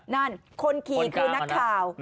นั่นคนขี่คือนักข่าว